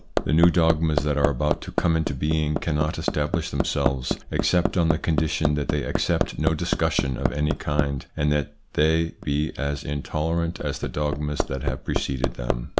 The new dogmas that are about to come into being cannot establish themselves, except on the condition that they accept no discussions of any kind, and that they be as intolerant as the dogmas that have preceded them.